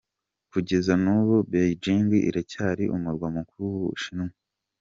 Kugeza n’ubu Beijing iracyari umurwa mukuru w’u Bushinwa.